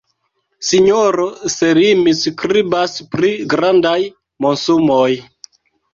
Sinjoro Selimi skribas pri grandaj monsumoj.